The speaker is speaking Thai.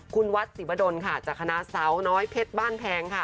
คุณวัดสิบดลค่ะจากคณะเศร้าน้อยเพชรบ้านแพงค่ะ